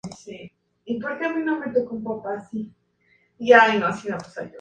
Domingo Perurena fue el vencedor en la clasificación por puntos.